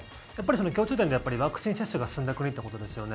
共通点ってワクチン接種が進んだ国ってことですよね。